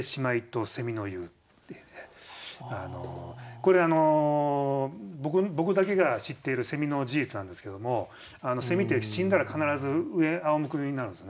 これ僕だけが知っているの事実なんですけどもって死んだら必ずあおむけになるんですよね。